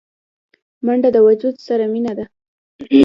منډه د وجود سره مینه ده